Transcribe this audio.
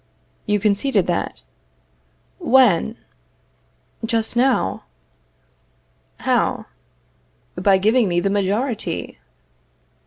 You conceded that. When? Just now. How? By giving me the majority.